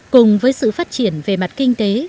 cùng với sự phát triển về mặt kinh tế